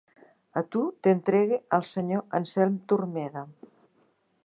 A tu t'entregue al senyor Anselm Turmeda.